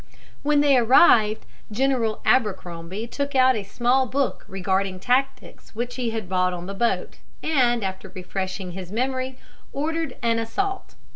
When they arrived, General Abercrombie took out a small book regarding tactics which he had bought on the boat, and, after refreshing his memory, ordered an assault.